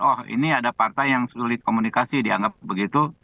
oh ini ada partai yang sulit komunikasi dianggap begitu